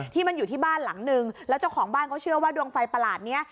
ที่มันอยู่ที่บ้านหลังนึงแล้วเจ้าของบ้านเขาเชื่อว่าดวงไฟประหลาดนี้